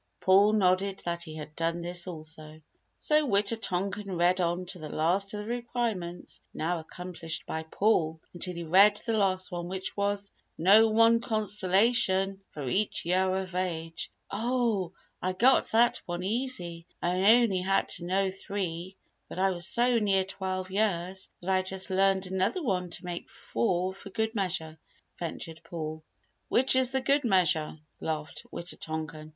Paul nodded that he had done this also. So Wita tonkan read on to the last of the requirements now accomplished by Paul, until he read the last one which was: "Know one constellation for each year of age." "Oh, I got that one easy! I only had to know three, but I was so near twelve years, that I just learned another one to make four for good measure," ventured Paul. "Which is the good measure?" laughed Wita tonkan.